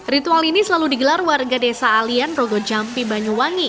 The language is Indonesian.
ritual ini selalu digelar warga desa alian rogojampi banyuwangi